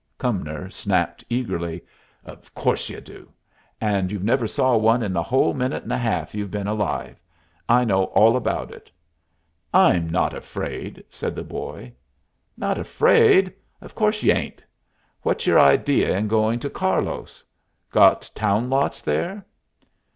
Cumnor snapped eagerly. "Of course y'u do. And you've never saw one in the whole minute and a half you've been alive. I know all about it." "I'm not afraid," said the boy. "Not afraid? Of course y'u ain't. What's your idea in going to Carlos? Got town lots there?"